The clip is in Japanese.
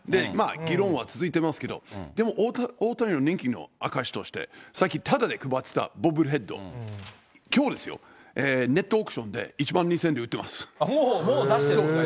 議論は続いていますけれども、でも大谷の人気の証しとして、最近ただで配ってたボブルヘッド、きょうですよ、ネットオークショもう出してるんですね。